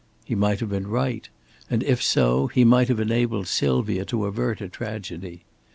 He might have been right; and if so, he might have enabled Sylvia to avert a tragedy.